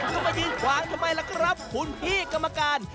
ก็มายืนขวางทำไมล่ะครับคุณพี่กรรมการ